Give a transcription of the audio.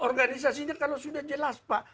organisasinya kalau sudah jelas pak